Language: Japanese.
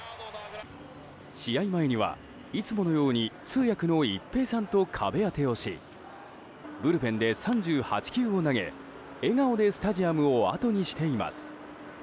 試合前には、いつものように通訳の一平さんと壁当てをしブルペンで３８球を投げ笑顔でスタジアムをあとにしています。